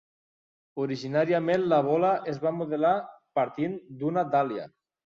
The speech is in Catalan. Originàriament, la bola es va modelar partint d'una dàlia.